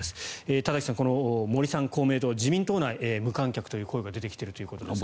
田崎さん、この森さん公明党は自民党内無観客という声が出てきているということですが。